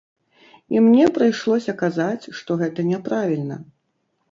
І мне прыйшлося казаць, што гэта няправільна.